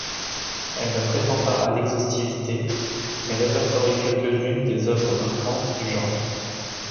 Elle ne prétend pas à l'exhaustivité, mais répertorie quelques-unes des œuvres marquantes du genre.